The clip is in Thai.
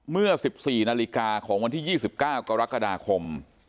เมื่อ๑๔นาฬิกาของวันที่๒๙กรกฎาคม